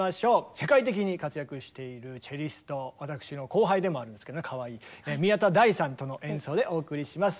世界的に活躍しているチェリスト私の後輩でもあるんですけどねかわいい宮田大さんとの演奏でお送りします。